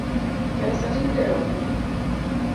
Pesa tinde onge